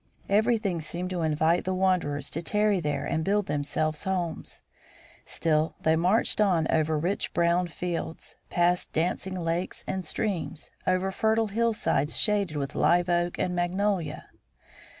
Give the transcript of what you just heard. Everything seemed to invite the wanderers to tarry there and build themselves homes. Still they marched on over rich brown fields, past dancing lakes and streams, over fertile hillsides shaded with live oak and magnolia.